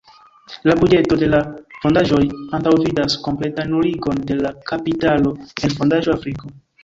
La buĝeto de la fondaĵoj antaŭvidas kompletan nuligon de la kapitalo en fondaĵo Afriko.